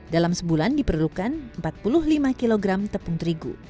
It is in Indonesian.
dalam sebulan diperlukan empat puluh lima kg tepung terigu